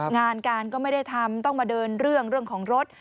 งานการก็ไม่ได้ทำต้องมาเดินเรื่องของรถ